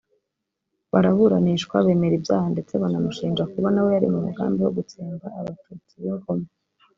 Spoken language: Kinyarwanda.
baraburanishwa bemera ibyaha ndetse banamushinja kuba nawe yari mu mugambi wo gutsemba abatutsi b’i Ngoma